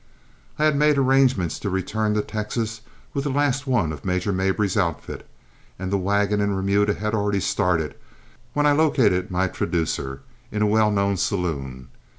I had made arrangements to return to Texas with the last one of Major Mabry's outfits, and the wagon and remuda had already started, when I located my traducer in a well known saloon.